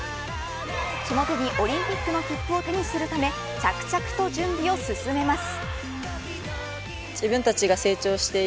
その手にオリンピックの切符を手にするため着々と準備を進めます。